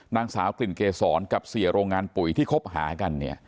นางสาวกลิ่นเกษรกับเสียโรงงานปุ๋ยที่คบหากันเนี่ย